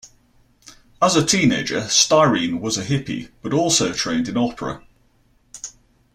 As a teenager, Styrene was a hippie but also trained in opera.